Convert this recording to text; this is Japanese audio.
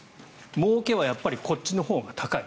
もうけはこっちのほうが高い。